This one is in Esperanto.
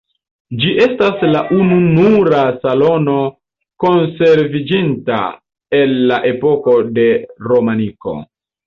Ĝi estas la ununura salono konserviĝinta el la epoko de romaniko.